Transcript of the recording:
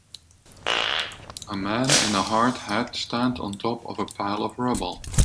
A man in a hard hat stand on top of a pile of rubble.